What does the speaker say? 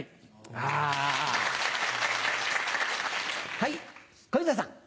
はい小遊三さん。